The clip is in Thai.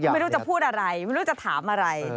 ไม่รู้จะพูดอะไรไม่รู้จะถามอะไร